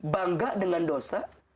bangga dengan dosa